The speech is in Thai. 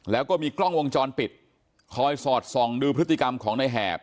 แล้วก็มีกล้องวงจรปิดคอยสอดส่องดูพฤติกรรมของในแหบ